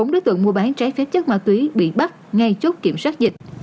bốn đối tượng mua bán trái phép chất ma túy bị bắt ngay chốt kiểm soát dịch